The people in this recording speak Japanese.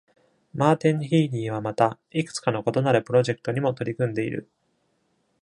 マーティン・ヒーリーはまた、いくつかの異なるプロジェクトにも取り組んでいる。